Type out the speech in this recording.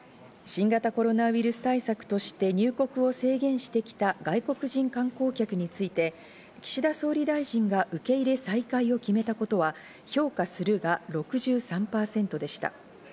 新型コロナウイルス対策として入国を制限してきた外国人観光客について、岸田総理大臣が受け入れ再開を決めたことは評価するが６３％でした。